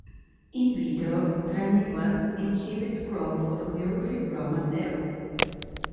In vitro, tranilast, inhibits growth of neurofibroma cells.